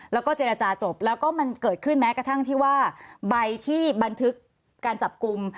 แล้วก็เจรจาจบแล้วก็มันเกิดขึ้นแม้กระทั่งที่ว่าใบที่บันทึกการจับกลุ่ม